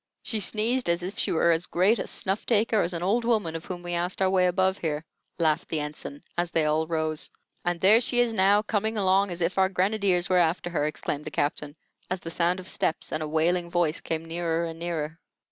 "She sneezed as if she were as great a snuff taker as an old woman of whom we asked our way above here," laughed the Ensign, as they all rose. "And there she is now, coming along as if our grenadiers were after her!" exclaimed the Captain, as the sound of steps and a wailing voice came nearer and nearer.